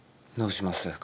どうします？